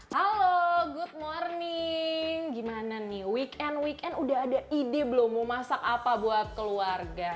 halo good morning gimana nih weekend weekend udah ada ide belum mau masak apa buat keluarga